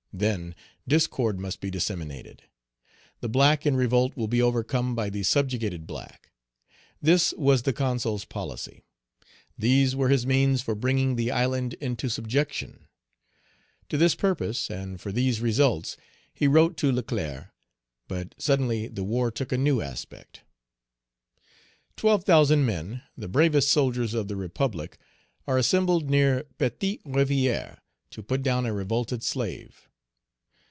Then discord must be disseminated. The black in revolt will be overcome by the subjugated black. This was the Consul's policy. These were his means for bringing the island into subjection. To this purpose, and for these results, he wrote to Leclerc. But suddenly the war took a new aspect. Twelve thousand men, the bravest soldiers of the Republic, are assembled near Petite Rivière to put down a revolted slave!